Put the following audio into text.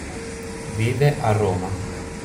Vive a Roma.